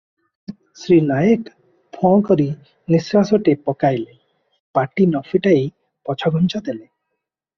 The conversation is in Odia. ଶ୍ରୀ ନାୟକେ ଫଁ କରି ନିଶ୍ୱାସଟାଏ ପକାଇଲେ, ପାଟି ନ ଫିଟାଇ ପଛଘୁଞ୍ଚା ଦେଲେ ।